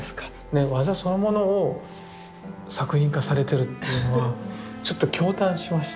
技そのものを作品化されてるっていうのはちょっと驚嘆しました。